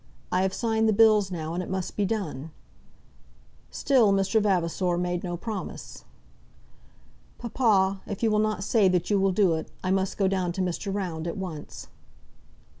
I have signed the bills now, and it must be done." Still Mr. Vavasor made no promise. "Papa, if you will not say that you will do it, I must go down to Mr. Round at once."